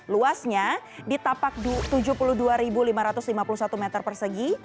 luasnya ditapak tujuh puluh dua lima ratus lima puluh satu meter persegi